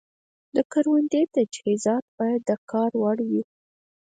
د کروندې تجهیزات باید د کار وړ وي.